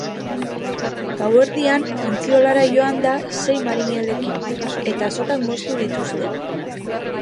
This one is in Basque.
Gauerdian, ontziolara joan da sei marinelekin, eta sokak moztu dituzte.